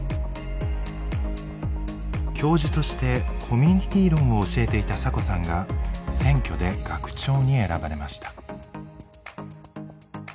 教授としてコミュニティー論を教えていたサコさんが選挙で学長に選ばれました。